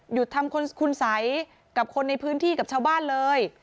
ทำคุณสัยกับคนในพื้นที่กับชาวบ้านเลย